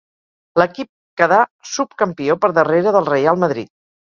L'equip quedà subcampió per darrere del Reial Madrid.